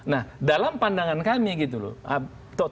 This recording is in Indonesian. nah dalam pandangan kami gitu loh